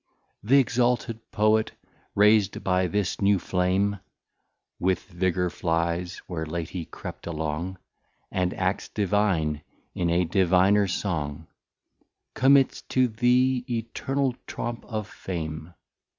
Th' exalted Poet rais'd by this new Flame, With Vigor flys, where late he crept along, And Acts Divine, in a Diviner Song, Commits to the eternal Trompe of Fame.